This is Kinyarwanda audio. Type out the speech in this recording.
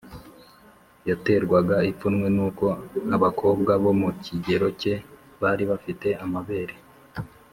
yaterwaga ipfunwe n’uko abakobwa bo mu kigero ke bari bafite amabere,